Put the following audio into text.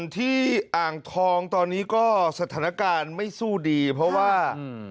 อ่างทองตอนนี้ก็สถานการณ์ไม่สู้ดีเพราะว่าอืม